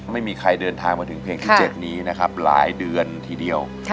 ไม่มีใครเดินทางมาถึงเพลงที่๗นี้นะครับหลายเดือนทีเดียว